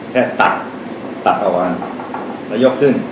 แค่ตัดตัดเอาอันแล้วยกขึ้น